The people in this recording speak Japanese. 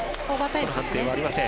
その判定はありません。